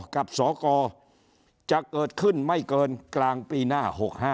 กับสกจะเกิดขึ้นไม่เกินกลางปีหน้า๖๕